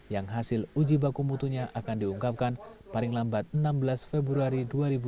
yang hasil uji baku mutunya akan diungkapkan paling lambat enam belas februari dua ribu dua puluh